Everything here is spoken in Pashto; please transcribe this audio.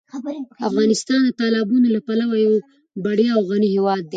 افغانستان د تالابونو له پلوه یو بډایه او غني هېواد دی.